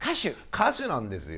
歌手なんですよ。